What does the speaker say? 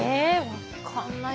分かんない。